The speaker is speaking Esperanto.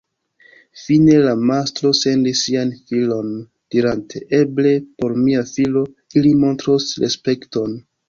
Fine la mastro sendis sian filon dirante: ‘Eble por mia filo ili montros respekton’.